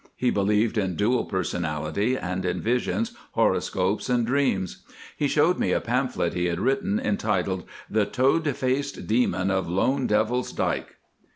He believed in dual personality, and in visions, horoscopes, and dreams. He showed me a pamphlet he had written, entitled "The Toad faced Demon of Lone Devil's Dyke."